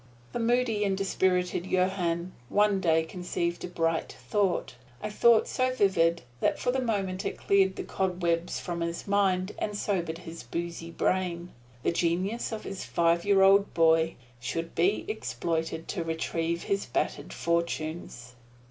The moody and dispirited Johann one day conceived a bright thought a thought so vivid that for the moment it cleared the cobwebs from his mind and sobered his boozy brain the genius of his five year old boy should be exploited to retrieve his battered fortunes!